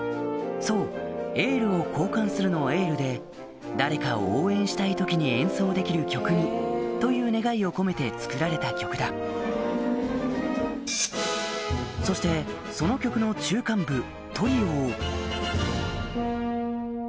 そうエールを交換するのエールで「誰かを応援したい時に演奏できる曲に」という願いを込めて作られた曲だそしてその曲の中間部トリオを